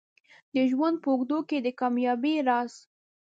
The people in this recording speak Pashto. د ژوند په اوږدو کې د کامیابۍ راز